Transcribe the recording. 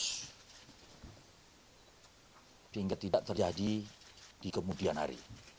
sehingga tidak terjadi di kemudian hari